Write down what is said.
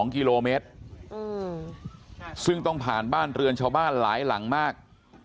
๒กิโลเมตรซึ่งต้องผ่านบ้านเรือนชาวบ้านหลายหลังมาก